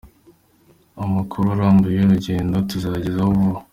Amakuru arambuye y’uru rugendo tuzayabagezaho vuba.